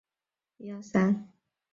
现任负责人为希腊人李亮神父。